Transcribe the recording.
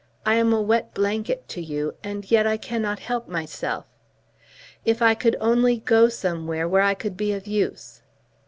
I am a wet blanket to you, and yet I cannot help myself. If I could only go somewhere, where I could be of use."